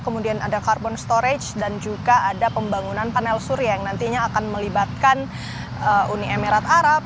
kemudian ada carbon storage dan juga ada pembangunan panel surya yang nantinya akan melibatkan uni emirat arab